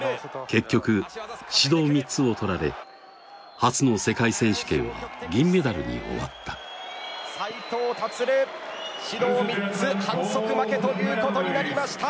結局指導３つをとられ初の世界選手権は銀メダルに終わった斉藤立指導３つ反則負けということになりました